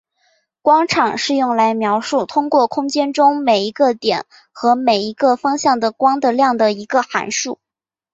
光场是用来描述通过空间中每一个点和每一个方向的光的量的一个函数。